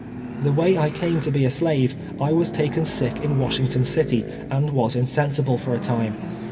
" The way I came to be a slave, I was taken sick m Washing ton City, and was msensible for some time.